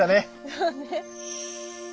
そうね。